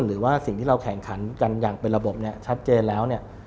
หรือว่าสิ่งที่เราแข่งขันกันอย่างเป็นระบบเนี่ยชัดเจนแล้วเนี่ย